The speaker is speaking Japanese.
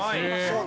そう。